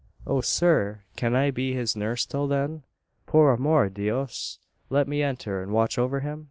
"O, sir! can I be his nurse till then? Por amor dios! Let me enter, and watch over him?